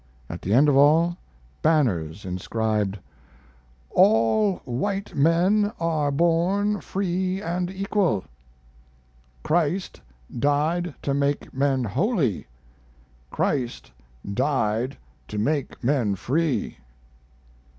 At the end of all, banners inscribed: "All White Men are Born Free and Equal." "Christ died to make men holy, Christ died to make men free."